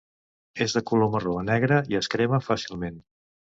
És de color marró a negre i es crema fàcilment.